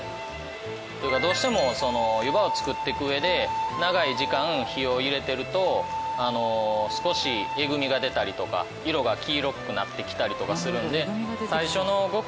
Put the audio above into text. どうしても湯葉を作っていく上で長い時間火を入れてると少しエグみが出たりとか色が黄色くなってきたりとかするので。